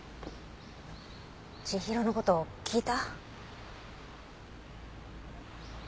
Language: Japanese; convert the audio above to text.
千尋の事聞いた？